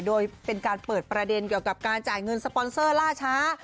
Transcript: โดยเป็นการเปิดประเด็นเกี่ยวกับการจ่ายเงินสปอนเซอร์ล่าช้า